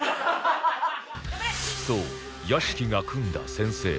そう屋敷が組んだ先生は